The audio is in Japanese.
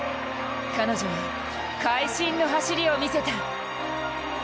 彼女は会心の走りを見せた。